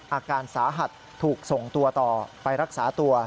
อาการสาหัสถูกส่งตัวต่อไปรักษาตัว